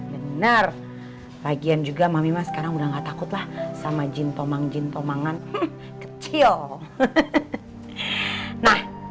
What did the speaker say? bener bagian juga mami mah sekarang udah nggak takutlah sama jintomang jintomangan kecil nah